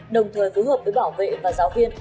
đồng thời phối hợp với bảo vệ và giáo viên